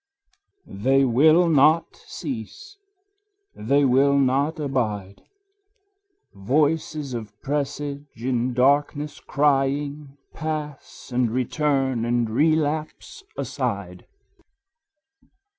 They will not cease, they will not abide: Voices of presage in darkness crying Pass and return and relapse aside.